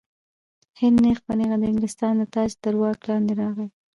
هند نیغ په نیغه د انګلستان د تاج تر واک لاندې راغی.